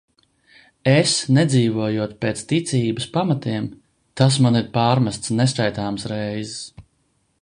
Es nedzīvojot pēc ticības pamatiem, tas man ir pārmests neskaitāmas reizes.